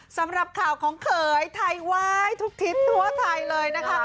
สำหรับข่าวของเขยไทยไว้ทุกทิศทั่วไทยเลยนะคะ